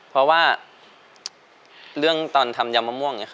เพราะว่าเรื่องตอนทำยำมะม่วง